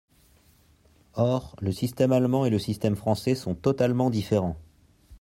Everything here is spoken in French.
Or, le système allemand et le système français sont totalement différents.